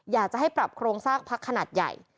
อยากจะให้ปรับโครงสร้างพักขนาดใหญ่